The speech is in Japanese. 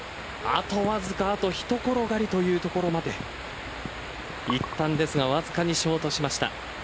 あとわずかあとひと転がりというところまでいったんですがわずかにショートしました。